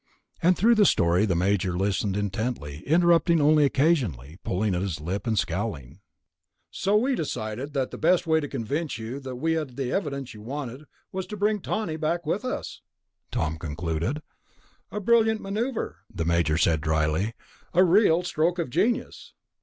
And through the story, the Major listened intently, interrupting only occasionally, pulling at his lip and scowling. "So we decided that the best way to convince you that we had the evidence you wanted was to bring Tawney back with us," Tom concluded. "A brilliant maneuver," the Major said dryly. "A real stroke of genius."